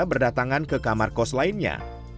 berdatangan ke kamar kos lainnya